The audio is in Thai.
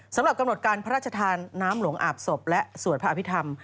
สำหรับกำหนดการพระราชทานน้ำหลวงอาบศพและสวดพระอภิษฐรรม